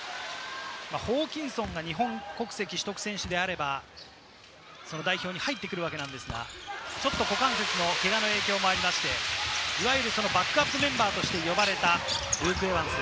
ホーキンソンが日本国籍取得選手であれば、代表に入ってくるわけなんですが、ちょっと股関節のけがの影響もあって、バックアップメンバーとして呼ばれたルーク・エヴァンス。